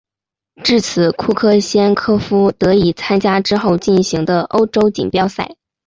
至此库克先科夫得以参加之后进行的欧洲锦标赛。